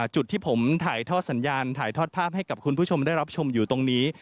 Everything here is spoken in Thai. จุดที่ผมถ่ายทอดสัญญาณถ่ายทอดภาพให้กับคุณผู้ชมได้รับชมอยู่ตรงนี้